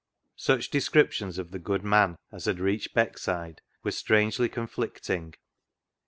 Such descriptions of the good man as had reached Beckside were strangely conflicting.